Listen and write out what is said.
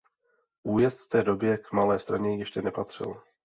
Újezd v té době k Malé Straně ještě nepatřil.